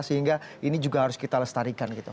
sehingga ini juga harus kita lestarikan gitu